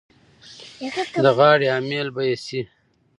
د غاړې امېل به یې شي.